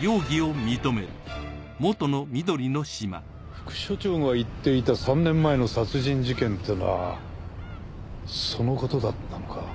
副署長が言っていた３年前の殺人事件ってのはそのことだったのか。